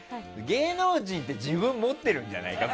芸能人って自分持っているんじゃないか。